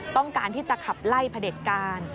ต้องการที่จะขับไล่พระเด็จการ